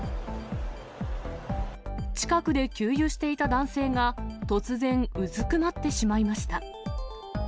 近くで給油していた男性が、突然うずくまってしまいました。